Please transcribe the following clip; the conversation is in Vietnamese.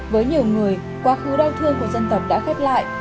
với nhiều người quá khứ đau thương của dân tộc đã khép lại